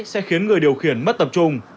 sẽ khiến người điều khiển mất tập trung